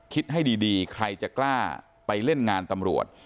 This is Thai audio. คิดให้ดีใครจะกล้าไปเล่นงานตำรวจ